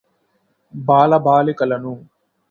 బాల బాలికలను